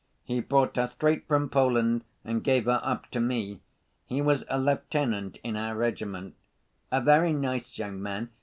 He brought her straight from Poland and gave her up to me. He was a lieutenant in our regiment, a very nice young man.